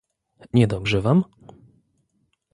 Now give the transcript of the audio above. Niedobrze wam?